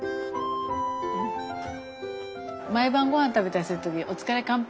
毎晩ごはん食べたりする時「お疲れ乾杯」。